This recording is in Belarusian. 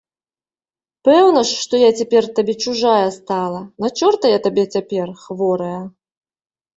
Пэўна ж, што я цяпер табе чужая стала, на чорта я табе цяпер, хворая.